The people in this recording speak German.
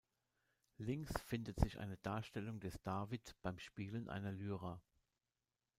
Links findet sich eine Darstellung des David beim Spielen einer Lyra.